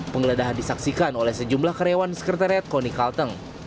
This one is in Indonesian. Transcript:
penggeledahan disaksikan oleh sejumlah karyawan sekretariat koni kalteng